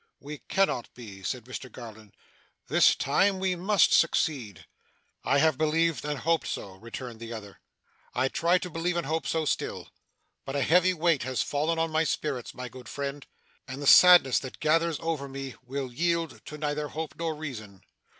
'We cannot be,' said Mr Garland. 'This time we must succeed.' 'I have believed and hoped so,' returned the other. 'I try to believe and hope so still. But a heavy weight has fallen on my spirits, my good friend, and the sadness that gathers over me, will yield to neither hope nor reason.